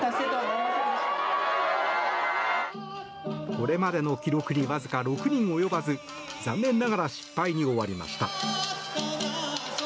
これまでの記録にわずか６人及ばず残念ながら失敗に終わりました。